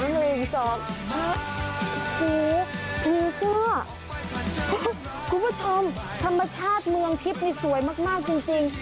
หนึ่งสองสี่มีเสื้อคุณผู้ชมธรรมชาติเมืองทิพย์นี่สวยมากมากจริงจริง